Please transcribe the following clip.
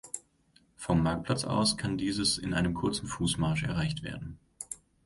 Vom Marktplatz aus kann dieses in einem kurzen Fußmarsch erreicht werden.